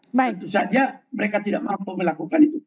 tentu saja mereka tidak mampu melakukan itu